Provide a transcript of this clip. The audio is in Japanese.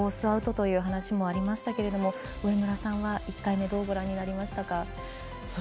アウトという話もありましたけれども上村さんは１回目どうご覧になりましたか？